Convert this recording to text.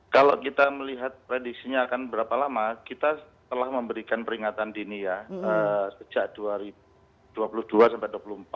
kalau kita melihat prediksinya akan berapa lama kita telah memberikan peringatan dini ya sejak dua ribu dua puluh dua sampai dua puluh empat